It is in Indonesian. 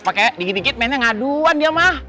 pakai dikit dikit mainnya ngaduan dia mah